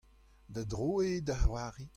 da dro eo da c'hoari.